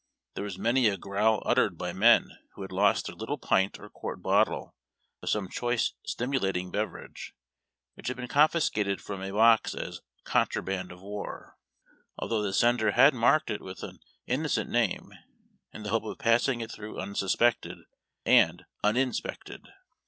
There was many a growl uttered by men who had lost their little pint or quart bottle of some choice stimulating bever age, which had been confiscated from a box as "contraband of war," although the sender had marked it with an inno cent name, in the hope of passing it through unsuspected and uninspected.